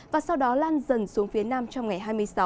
và sau đó lan dần xuống phía nam trong ngày hai mươi sáu